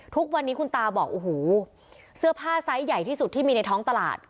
ทุกวันนี้คุณตาบอกโอ้โหเสื้อผ้าไซส์ใหญ่ที่สุดที่มีในท้องตลาด